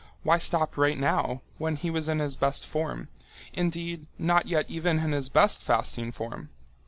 Why stop right now, when he was in his best form, indeed, not yet even in his best fasting form?